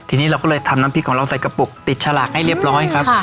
ทีนี้เราก็เลยทำน้ำพริกของเราใส่กระปุกติดฉลากให้เรียบร้อยครับ